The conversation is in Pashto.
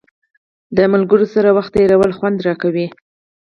د ملګرو سره وخت تېرول خوند راکوي.